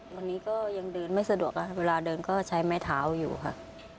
วันนี้ก็ยังเดินไม่สะดวกค่ะเวลาเดินก็ใช้ไม้เท้าอยู่ค่ะ